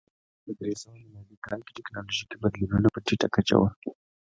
په درې سوه میلادي کال کې ټکنالوژیکي بدلونونه په ټیټه کچه و.